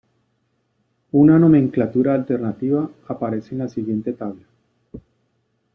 Una nomenclatura alternativa aparece en la siguiente tabla.